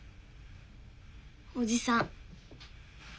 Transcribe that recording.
おじさん。